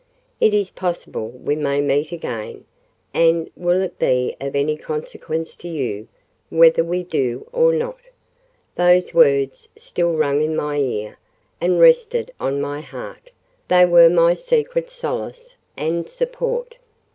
"It is possible we may meet again," and "will it be of any consequence to you whether we do or not?"—Those words still rang in my ear and rested on my heart: they were my secret solace and support.